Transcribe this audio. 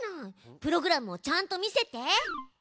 プログラムをちゃんと見せて！